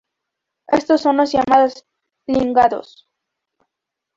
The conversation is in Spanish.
Estos son los llamados "ligandos".